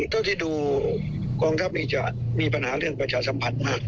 เท่าที่ดูกองทัพนี้จะมีปัญหาเรื่องประชาสัมพันธ์มาก